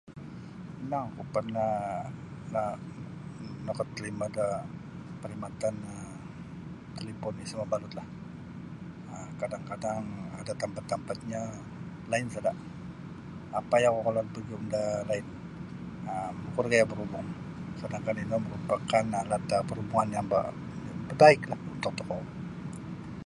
Mimang aku parnah um nakatarima da parkhidmatan um talipon ti isa mabalud lah um kadang-kadang ada tampatnyo line sada, payah kokolud mogium da line um kuro gaya barhubung, sadangkan ino marupakan alat um parhubungan tarbaik kah untuk tokou.